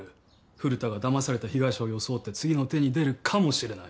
古田がだまされた被害者を装って次の手に出るかもしれない。